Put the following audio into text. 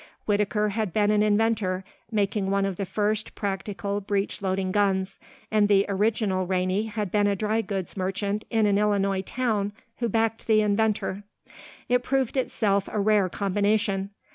Whittaker had been an inventor, making one of the first practical breech loading guns, and the original Rainey had been a dry goods merchant in an Illinois town who backed the inventor. It proved itself a rare combination.